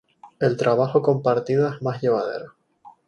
El trabajo compartido es mas llevadero.